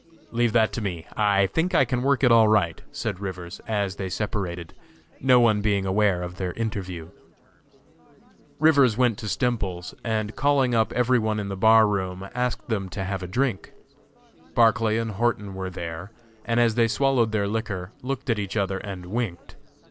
"Leave that to me. I think I can work it all right," said Rivers, as they separated, no one being aware of their interview. Rivers went to Stemples's, and calling up every one in the bar room, asked them to have a drink. Barclay and Horton were there, and as they swallowed their liquor, looked at each other and winked.